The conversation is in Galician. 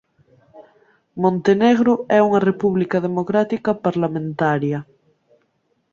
Montenegro é unha república democrática parlamentaria.